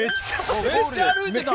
めっちゃ歩いてた！